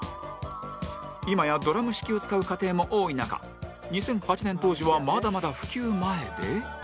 今やドラム式を使う家庭も多い中２００８年当時はまだまだ普及前で